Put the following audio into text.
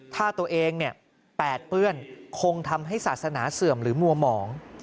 ถ้าตัวเองแปดเปื้อนคงทำให้ศาสนาเสื่อมหรือมัวหมอง